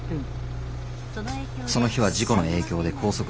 その日は事故の影響で高速道路は渋滞。